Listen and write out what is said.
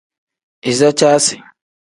Iza caasi.